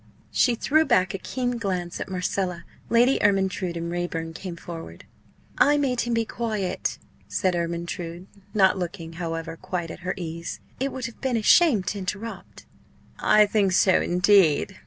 She threw back a keen glance at Marcella. Lady Ermyntrude and Raeburn came forward. "I made him be quiet," said Ermyntrude, not looking, however, quite at her ease; "it would have been a shame to interrupt." "I think so, indeed!"